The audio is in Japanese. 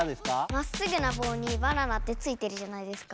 まっすぐなぼうにバナナってついてるじゃないですか。